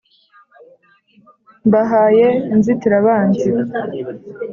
mbahaye inzitirabanzi